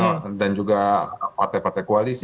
oke kalau diumumkan pada hari ini